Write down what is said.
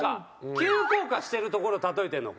急降下してるところを例えてるのか。